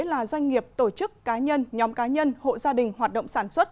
là doanh nghiệp tổ chức cá nhân nhóm cá nhân hộ gia đình hoạt động sản xuất